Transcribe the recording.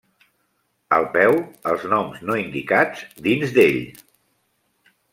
Al peu, els noms no indicats dins d'ell.